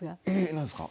何ですか？